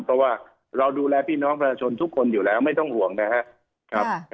เพราะว่าเราดูแลพี่น้องประชาชนทุกคนอยู่แล้วไม่ต้องห่วงนะครับ